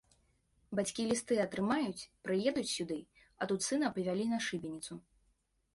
Бацькі лісты атрымаюць, прыедуць сюды, а тут сына павялі на шыбеніцу.